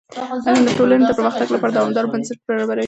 علم د ټولنې د پرمختګ لپاره دوامداره بنسټ برابروي.